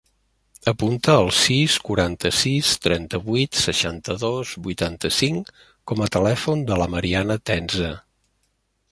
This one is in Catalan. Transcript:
Apunta el sis, quaranta-sis, trenta-vuit, seixanta-dos, vuitanta-cinc com a telèfon de la Mariana Tenza.